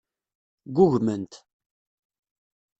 Ggugment.